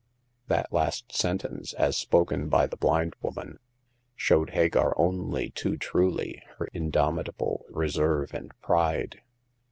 That last sentence, as spoken by the blind woman, showed Hagar only too truly her indom itable reserve and pride.